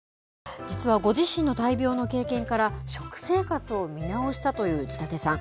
実はご自身の大病の経験から、食生活を見直したという内館さん。